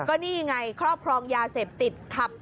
ก็นี่ไงครอบครองยาเสพติดขับ